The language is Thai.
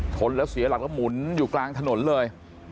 ชนแล้วเสียหลักแล้วหมุนอยู่กลางถนนเลย